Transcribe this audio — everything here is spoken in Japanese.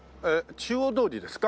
中央通りですか？